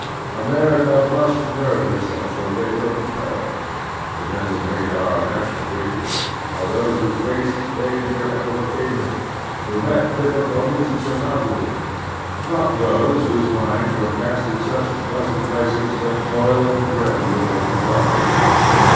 America must nerve herself for labor and peril. The men who have made our natioitkl greatness are those who faced danger and overcame it, who met diflB culties and surmoimted them, not those whose lines were cast in such pleasant places that t. ii and dread were ever far from them.